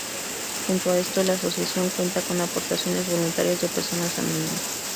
Junto a esto la Asociación cuenta con aportaciones voluntarias de personas anónimas.